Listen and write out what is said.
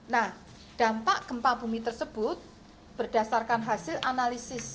nah dampak gempa bumi tersebut berdasarkan hasil analisis